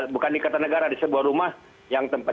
bukan di kertanegara di sebuah rumah yang tempat